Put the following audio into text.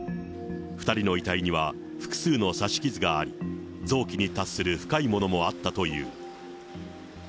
２人の遺体には複数の刺し傷があり、臓器に達する深いものもあったという。